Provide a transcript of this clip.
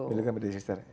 itu kan berdesiliter